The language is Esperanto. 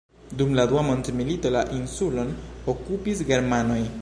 Dum la dua mondmilito, la insulon okupis germanoj.